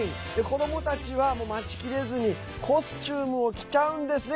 子どもたちは、もう待ちきれずにコスチュームを着ちゃうんですね。